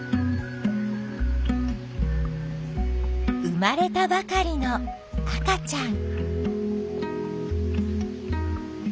生まれたばかりの赤ちゃん。